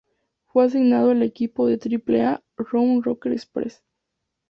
Fue asignado al equipo de Triple-A, Round Rock Express.